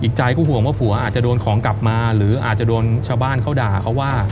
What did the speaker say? ใจก็ห่วงว่าผัวอาจจะโดนของกลับมาหรืออาจจะโดนชาวบ้านเขาด่าเขาว่า